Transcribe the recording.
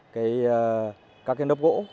các nớp gỗ